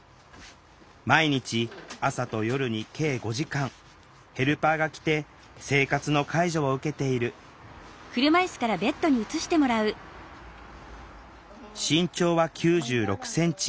毎日朝と夜に計５時間ヘルパーが来て生活の介助を受けている身長は９６センチ。